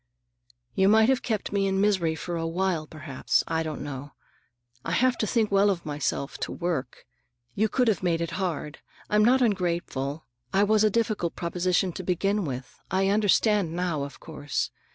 "You might have kept me in misery for a while, perhaps. I don't know. I have to think well of myself, to work. You could have made it hard. I'm not ungrateful. I was a difficult proposition to deal with. I understand now, of course.